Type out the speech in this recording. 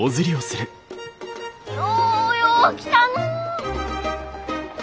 ようよう来たのう！